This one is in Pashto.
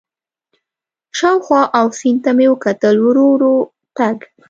شاوخوا او سیند ته مې وکتل، ورو ورو تګ.